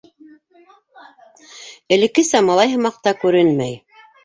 Элеккесә малай һымаҡ та күренмәй.